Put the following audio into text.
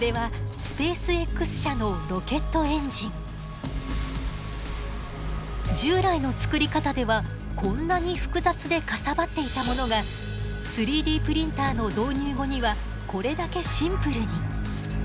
これは従来の作り方ではこんなに複雑でかさばっていたものが３Ｄプリンターの導入後にはこれだけシンプルに。